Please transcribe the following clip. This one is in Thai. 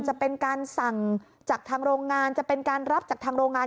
จะเป็นการสั่งจากทางโรงงานจะเป็นการรับจากทางโรงงาน